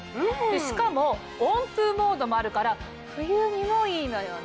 しかも温風モードもあるから冬にもいいのよね。